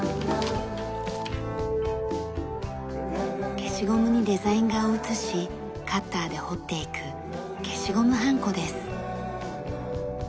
消しゴムにデザイン画を写しカッターで彫っていく消しゴムはんこです。